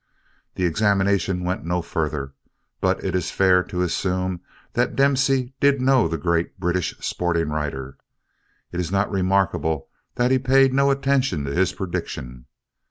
The examination went no further but it is fair to assume that Dempsey did know the great British sporting writer. It was not remarkable that he paid no attention to his prediction.